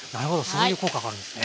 そういう効果があるんですね。